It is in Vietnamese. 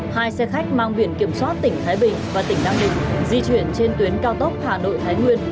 hai xe khách mang biển kiểm soát tỉnh thái bình và tỉnh nam định di chuyển trên tuyến cao tốc hà nội thái nguyên